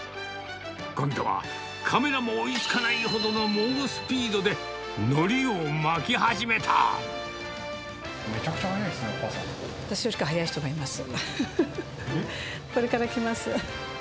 今度は、カメラも追いつかないほどの猛スピードで、のりを巻き始めちゃくちゃ速いですね、私よりか速い人がいます。